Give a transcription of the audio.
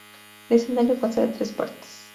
El escenario consta de tres partes.